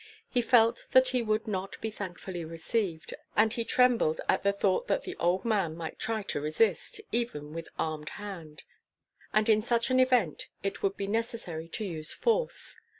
He felt that he would not be thankfully received, and he trembled at the thought that the old man might try to resist, even with armed hand, and in such an event it would be necessary to use force.